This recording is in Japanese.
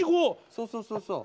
そうそうそうそう。